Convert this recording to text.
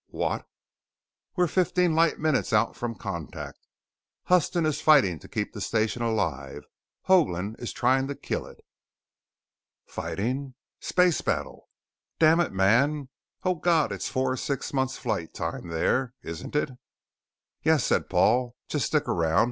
"What ?" "We're fifteen light minutes out from Contact. Huston is fighting to keep the Station alive; Hoagland is trying to kill it!" "Fighting?" "Space battle!" "Dammit man Oh God, it's four or six months flight time there, isn't it?" "Yes," said Paul. "Just stick around.